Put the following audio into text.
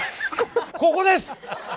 ここです！